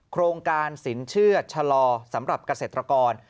โครงการสินเชื่อชะลอสำหรับเกษตรกร